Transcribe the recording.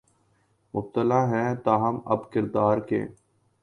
مبتلا ہیں تاہم اب اداکار کے